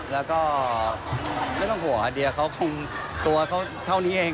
แล้วก็ไม่ต้องหัวเดียเขาตัวเท่านั้นเอง